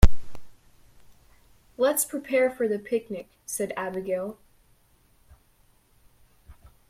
"Let's prepare for the picnic!", said Abigail.